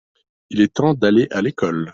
Il est temps d’aller à l’école.